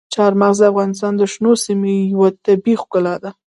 چار مغز د افغانستان د شنو سیمو یوه طبیعي ښکلا ده.